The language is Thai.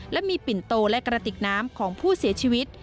และมีปิ่นโตและกระติกน้ำของผู้เสียชีวิต